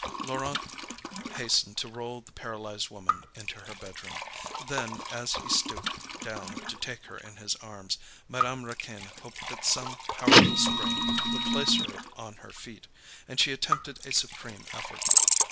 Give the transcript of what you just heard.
Laurent hastened to roll the paralysed woman into her bedroom. Then, as he stooped down to take her in his arms, Madame Raquin hoped that some powerful spring would place her on her feet; and she attempted a supreme effort.